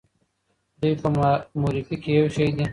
دوی په مورفي کې یو شی دي.